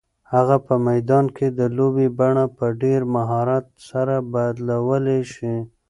هغه په میدان کې د لوبې بڼه په ډېر مهارت سره بدلولی شي.